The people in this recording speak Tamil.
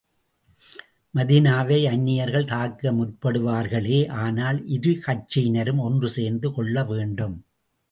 மதீனாவை அந்நியர்கள் தாக்க முற்படுவார்களே ஆனால், இரு கட்சியினரும் ஒன்று சேர்ந்து கொள்ள வேண்டும்.